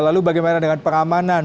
lalu bagaimana dengan pengamanan